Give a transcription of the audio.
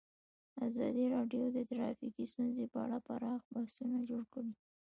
ازادي راډیو د ټرافیکي ستونزې په اړه پراخ بحثونه جوړ کړي.